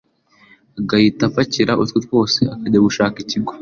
agahita apakira utwe twose akajya gushaka ikigo